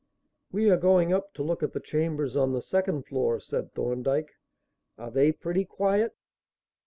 "We are going up to look at the chambers on the second floor," said Thorndyke. "Are they pretty quiet?"